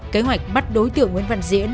kế hoạch bắt đối tượng nguyễn văn diễn